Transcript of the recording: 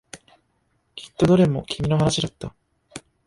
きっとどれも君の話だった。